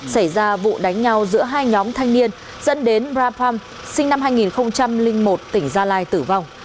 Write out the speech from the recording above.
xảy ra vụ đánh nhau giữa hai nhóm thanh niên dẫn đến rapham sinh năm hai nghìn một tỉnh gia lai tử vong